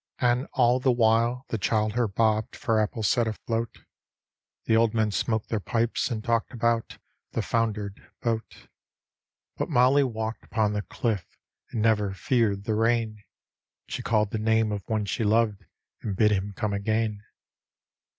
An' all the while the childher 1x*bcd for apples set afloat. The old men smoked their pipes and talked about the foundered boat. But Mollie walked upon the cliff, and never feared the rain; She called the name of one she loved and bid him come again.